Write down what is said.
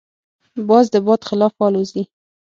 باز د باد خلاف الوزي